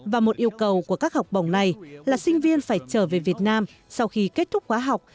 và một yêu cầu của các học bổng này là sinh viên phải trở về việt nam sau khi kết thúc khóa học